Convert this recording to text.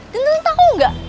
tante tahu enggak